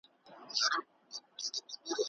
د ارغنداب سیند اوبه ډېرې ګټې لري.